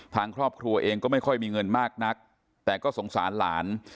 ทางครอบครัวเองก็ไม่ค่อยมีเงินมากนักแต่ก็สงสารหลาน